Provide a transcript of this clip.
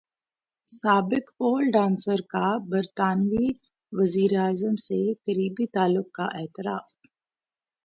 سابق pole dancer کا برطانوی وزیراعظم سے قریبی تعلق کا اعتراف